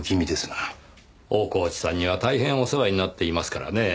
大河内さんには大変お世話になっていますからねぇ。